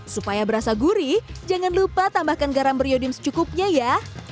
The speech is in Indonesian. supaya berasa gurih jangan lupa tambahkan garam beriodim secukupnya ya